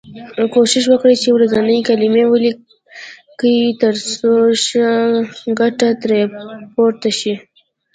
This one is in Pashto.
کوښښ وکړی چې ورځنۍ کلمې ولیکی تر څو ښه ګټه ترې پورته شی.